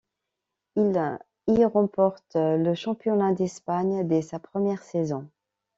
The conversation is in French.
Il y remporte le championnat d'Espagne dès sa première saison.